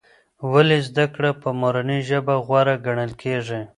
ولې زده کړه په مورنۍ ژبه غوره ګڼل کېږي؟